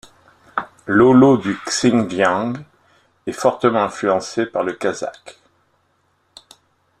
L'olot du Xinjiang est fortement influencé par le kazakh.